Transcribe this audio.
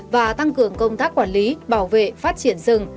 và tăng cường công tác quản lý bảo vệ phát triển rừng